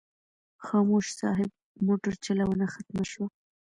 خاموش صاحب موټر چلونه ختمه شوه.